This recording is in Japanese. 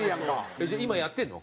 じゃあ今やってるの？